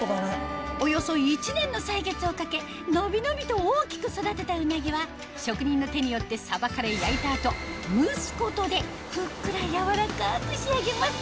およそ１年の歳月をかけ伸び伸びと大きく育てたうなぎは職人の手によってさばかれ焼いた後蒸すことでふっくら柔らかく仕上げます